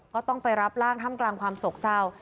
ก็ต้องไปรับร่างท่ามกลางความโศกเศร้า